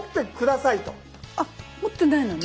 あっ持ってないのね？